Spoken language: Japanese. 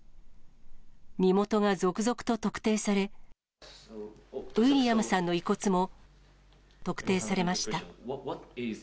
身元が続々と特定され、ウィリアムさんの遺骨も特定されました。